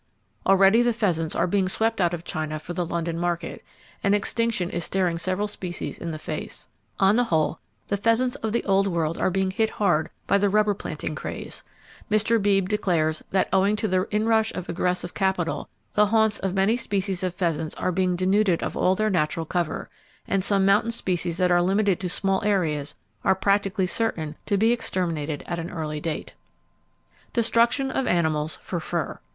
Already the pheasants are being swept out of China for the London market, and extinction is staring several species in the face. On the whole, the pheasants of the Old World are being hit hard by the rubber planting craze. Mr. Beebe declares that owing to the inrush of aggressive capital, the haunts of many species of pheasants are being denuded of all their natural cover, and some mountain species that are limited to small areas are practically certain to be exterminated at an early date. [Page 193] Destruction Of Animals For Fur.